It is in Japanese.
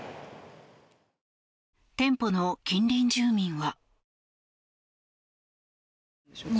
店舗の近隣住民は。